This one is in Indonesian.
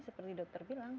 seperti dokter bilang